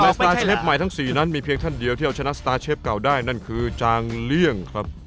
สตาร์เชฟใหม่ทั้ง๔นั้นมีเพียงท่านเดียวที่เอาชนะสตาร์เชฟเก่าได้นั่นคือจางเลี่ยงครับ